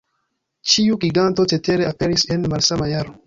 Ĉiu giganto cetere aperis en malsama jaro.